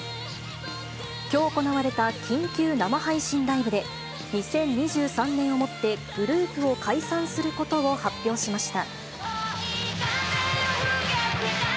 きょう行われた緊急生配信ライブで、２０２３年をもってグループを解散することを発表しました。